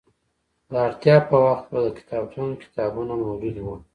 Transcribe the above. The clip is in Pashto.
د اړتیا په وخت به د کتابتون کتابونه موجود وو.